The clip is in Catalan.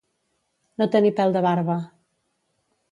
No tenir pèl de barba.